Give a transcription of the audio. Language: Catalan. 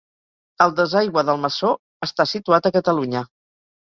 El desaigüe d'Almassor està situat a Catalunya.